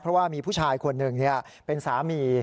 เพราะว่ามีผู้ชายคนหนึ่งเป็นสามี